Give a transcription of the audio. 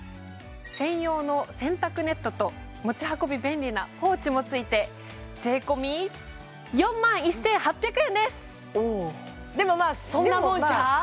専用の洗濯ネットと持ち運び便利なポーチも付いて税込４万１８００円ですおおでもまあそんなもんちゃう？